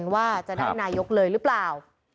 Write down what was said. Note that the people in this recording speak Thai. ว่าจะได้นายกเลยหรือเปล่า